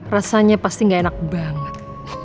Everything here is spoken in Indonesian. rasanya pasti gak enak banget